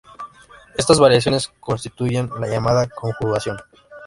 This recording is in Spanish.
Estas variaciones constituyen la llamada conjugación.